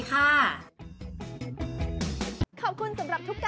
ส่งผลทำให้ดวงชาวราศีมีนดีแบบสุดเลยนะคะ